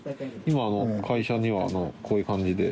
会社にはこういう感じで。